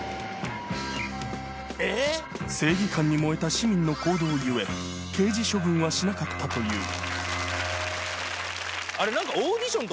正義感に燃えた市民の行動故刑事処分はしなかったというあれ何か。